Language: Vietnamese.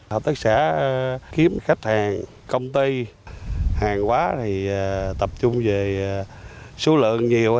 hợp tác xã kiếm khách hàng công ty hàng quá thì tập trung về số lượng nhiều